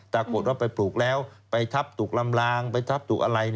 ตรงนั้นไปปลูกแล้วไปทับตุกลำลางไปทับตุกอะไร